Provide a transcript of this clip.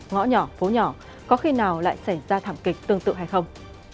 ngõ nhỏ phố nhỏ có khi nào lại xảy ra thảm kịch tương tự hay không